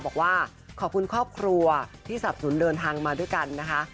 บอกว่าขอบคุณครอบครัวที่สับสนเดินทางมาด้วยกันนะคะ